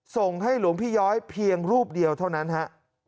ส่งให้หลวงพี่ย้อยเพียงรูปเดียวเท่านั้นฮะ